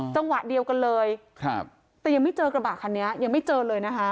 จังหวะเดียวกันเลยครับแต่ยังไม่เจอกระบะคันนี้ยังไม่เจอเลยนะคะ